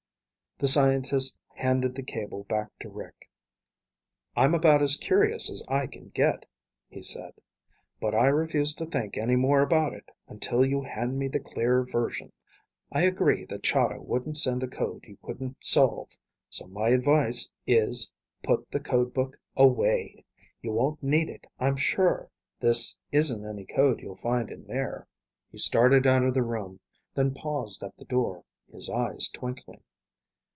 The scientist handed the cable back to Rick. "I'm about as curious as I can get," he said, "but I refuse to think any more about it until you hand me the clear version. I agree that Chahda wouldn't send a code you couldn't solve, so my advice is put the code book away. You won't need it, I'm sure. This isn't any code you'll find in there." He started out of the room, then paused at the door, his eyes twinkling.